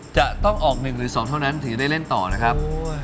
จะต้องออก๑หรือ๒เท่านั้นถึงได้เล่นต่อนะครับ